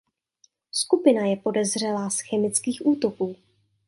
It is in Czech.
Skupina je podezřelá z chemických útoků.